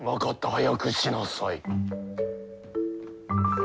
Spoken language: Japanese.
早くしなさい。